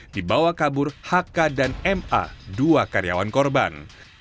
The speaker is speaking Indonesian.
dibawa kabur hk dan ma dua karyawan korban